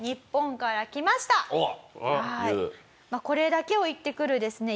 これだけを言ってくるですね